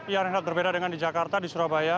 ya renat berbeda dengan di jakarta di surabaya